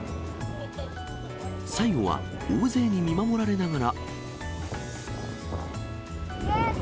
最後は大勢に見守られながら。